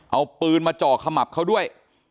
เอาปืนมาจ่อขมับเขาด้วย